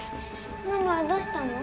ママどうしたの？